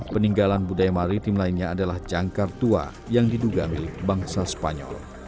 peninggalan budaya maritim lainnya adalah jangkar tua yang diduga milik bangsa spanyol